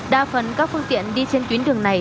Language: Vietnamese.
đa phần các phương tiện đi trên tuyến đường này